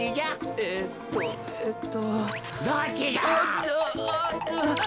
えっとえっと。